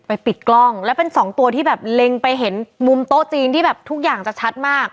ปิดกล้องแล้วเป็นสองตัวที่แบบเล็งไปเห็นมุมโต๊ะจีนที่แบบทุกอย่างจะชัดมาก